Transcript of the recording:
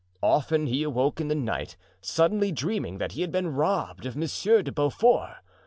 Often he awoke in the night, suddenly, dreaming that he had been robbed of Monsieur de Beaufort.